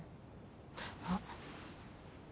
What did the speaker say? あっ。